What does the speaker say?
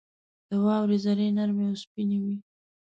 • د واورې ذرې نرمې او سپینې وي.